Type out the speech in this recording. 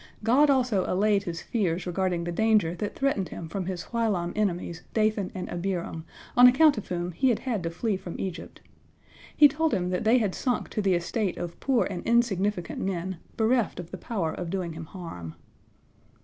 God also allayed his fears regarding the danger that threatened him from his whilom enemies Dathan and Abiram, on account of whom he had had to flee from Egypt. He told him that they had sunk to the estate of poor and insignificant men, bereft of the power of doing him harm.